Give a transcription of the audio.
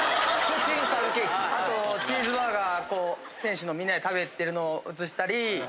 あとチーズバーガー選手のみんなで食べてるのを映したり。